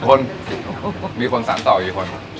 ๗คนมีคนสร้างต่อไหน๒คน